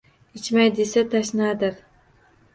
Ichmay desa — tashnadir.